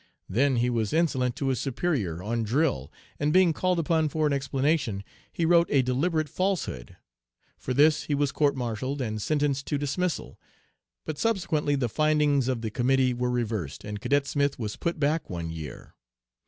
Then he was insolent to his superior on drill, and being called upon for an explanation he wrote a deliberate falsehood. For this he was court martialled and sentenced to dismissal, but subsequently the findings of the committee were reversed, and Cadet Smith was put back one year.